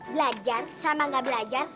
belajar sama gak belajar